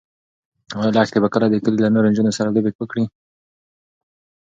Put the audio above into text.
ایا لښتې به کله د کلي له نورو نجونو سره لوبې وکړي؟